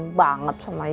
perhatian banget sama icu